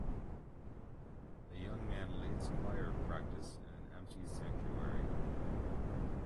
A young man leads choir practice in an empty sanctuary.